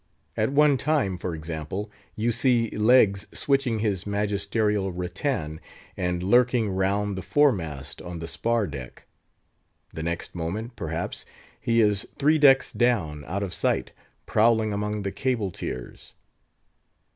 At one time, for example, you see Leggs switching his magisterial rattan, and lurking round the fore mast on the spar deck; the next moment, perhaps, he is three decks down, out of sight, prowling among the cable tiers.